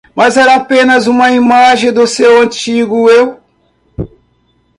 Mas era apenas uma imagem do seu antigo eu.